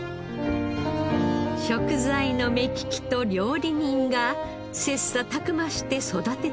食材の目利きと料理人が切磋琢磨して育ててきた錦市場。